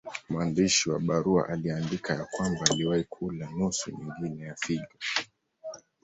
Mwandishi wa barua aliandika ya kwamba aliwahi kula nusu nyingine ya figo.